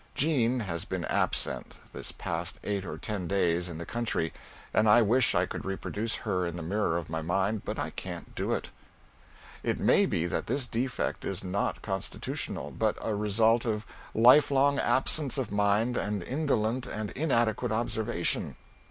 Jean has been absent, this past eight or ten days, in the country, and I wish I could reproduce her in the mirror of my mind, but I can't do it. It may be that this defect is not constitutional, but a result of lifelong absence of mind and indolent and inadequate observation.